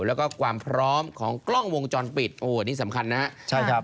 และก็ความพร้อมของกล้องวงจรปิดโอ้วนี่สำคัญนะครับ